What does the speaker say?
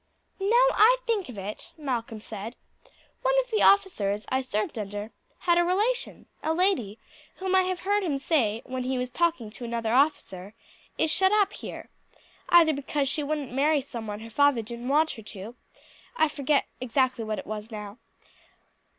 "Now I think of it," Malcolm said, "one of the officers I served under had a relation, a lady, whom I have heard him say, when he was talking to another officer, is shut up here, either because she wouldn't marry some one her father didn't want her to, I forget exactly what it was now.